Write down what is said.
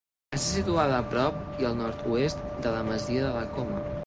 Està situada a prop i al nord-oest de la masia de la Coma.